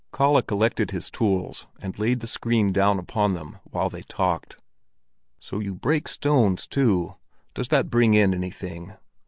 Kalle collected his tools and laid the screen down upon them while they talked. "So you break stones too? Does that bring in anything?"